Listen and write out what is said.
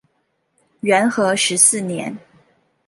元和十四年。